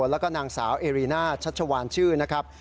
แล้วก็นางสาวเอรีน่าชัชวานชื่อนะครับ